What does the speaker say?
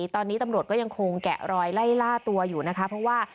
ตอนนี้ตำรวจก็ยังคงแกะรอยไล่ล่าตัวอยู่นะคะเพราะว่า